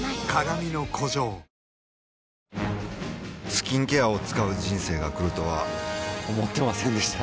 スキンケアを使う人生が来るとは思ってませんでした